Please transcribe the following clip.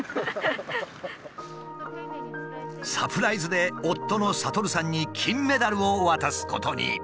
サプライズで夫の悟さんに金メダルを渡すことに。